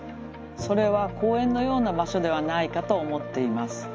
それは公園のような場所ではないかと思っています。